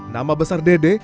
nama besar dede